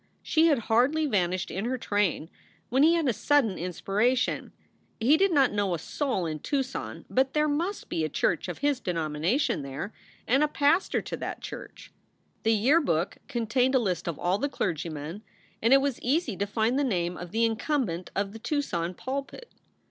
She had hardly vanished in her train when he had a sudden inspiration. He did not know a soul in Tucson, but there must be a church of his denomination there, and a pastor to that church. The Yearbook contained a list of all the clergymen, and it was easy to find the name of the incumbent of the Tucson pulpit.